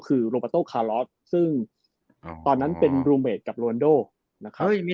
คือโรปาโต้คาลอสซึ่งตอนนั้นเป็นรูเบสกับโรนโดนะครับ